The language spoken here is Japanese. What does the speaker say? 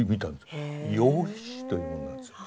羊皮紙というものなんです。